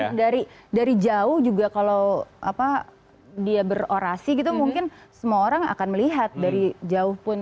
karena dari jauh juga kalau dia berorasi gitu mungkin semua orang akan melihat dari jauh pun